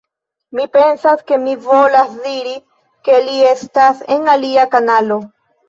Mi pensas, ke vi volas diri, ke li estas en alia kanalo